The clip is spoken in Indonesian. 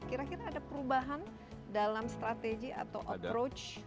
kira kira ada perubahan dalam strategi atau approach